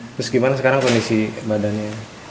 terus gimana sekarang kondisi badannya